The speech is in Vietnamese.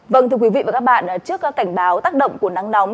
vâng thưa quý vị và các bạn trước cảnh báo tác động của nắng nóng